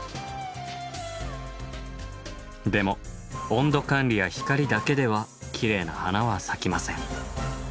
でも温度管理や光だけではきれいな花は咲きません。